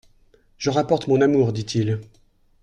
—Je rapporte mon amour,» dit-il.